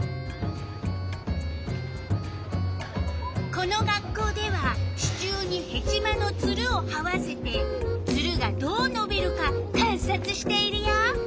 この学校では支柱にヘチマのツルをはわせてツルがどうのびるか観察しているよ。